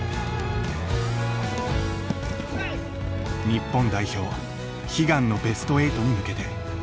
日本代表悲願のベスト８に向けて。